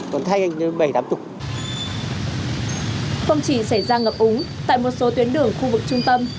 không chỉ xảy ra ngập úng tại một số tuyến đường khu vực trung tâm